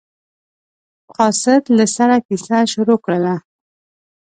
قاصد له سره کیسه شروع کړله.